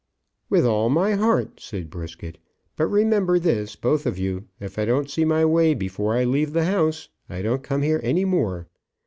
"With all my heart," said Brisket. "But remember this, both of you: if I don't see my way before I leave the house, I don't come here any more.